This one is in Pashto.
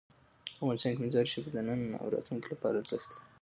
افغانستان کې مزارشریف د نن او راتلونکي لپاره ارزښت لري.